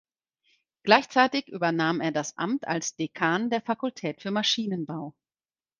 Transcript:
Gleichzeitig übernahm er das Amt als Dekan der Fakultät für Maschinenbau.